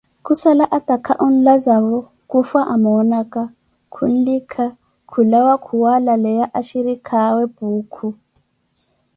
Khusala atakha onlazavo, khufwa amoonaka, khunlikha, khulawa khuwalaleya ashirikha awe Puukhu.